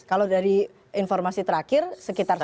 kalau dari informasi terakhir sekitar satu juta